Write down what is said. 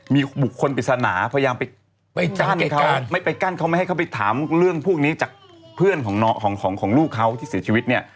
มีบุคคลปริศนาพยายามไปกั้นไม่ไปกั้นเขาไม่ให้เขาไปถามเรื่องพวกนี้จากเพื่อนของลูกเขาที่เสียชีวิตเนี่ย